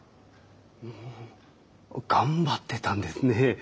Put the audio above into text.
ほう頑張ってたんですね。